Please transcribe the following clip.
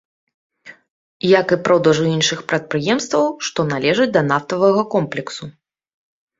Як і продажу іншых прадпрыемстваў, што належаць да нафтавага комплексу.